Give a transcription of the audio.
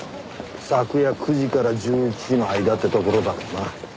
昨夜９時から１１時の間ってところだろうな。